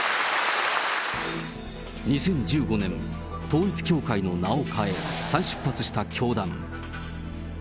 ２０１５年、統一教会の名を変え、再出発した教団。